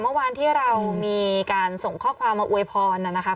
เมื่อวานที่เรามีการส่งข้อความมาอวยพรนะครับ